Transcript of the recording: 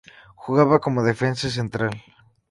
Jugaba como defensa central.